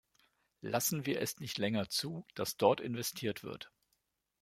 Lassen wir es nicht länger zu, dass dort investiert wird.